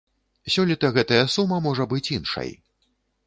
Сёлета гэтая сума можа быць іншай.